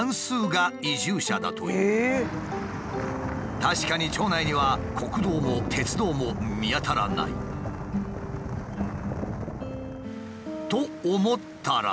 確かに町内には国道も鉄道も見当たらない。と思ったら。